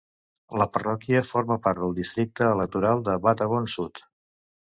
La parròquia forma part del districte electoral Bathavon Sud.